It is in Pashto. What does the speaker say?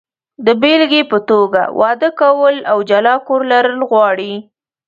د بېلګې په توګه، واده کول او جلا کور لرل غواړي.